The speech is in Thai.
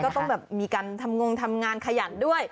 ต้องแบบมีการทำงงทำงานขยันด้วย